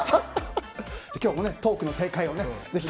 今日もトークの正解をぜひ。